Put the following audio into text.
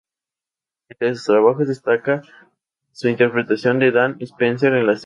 Entre sus trabajos destaca su interpretación de Dan Spencer en la serie "Emmerdale Farm".